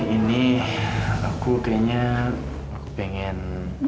ini aku kayaknya pengen